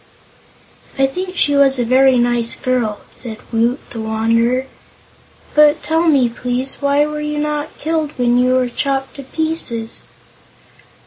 "I think she was a very nice girl," said Woot the Wanderer. "But, tell me, please, why were you not killed when you were chopped to pieces?"